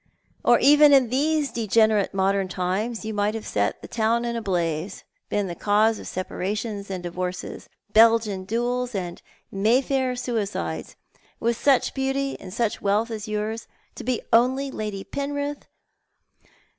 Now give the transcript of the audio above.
Or even in these degenerate modern times you might have set the town in a l)lazc, been the cause of separa tions and divorces, Belgian duels, and Mayfair suicides. With beauty, and such wealth as yours — to be only Lady Penrith.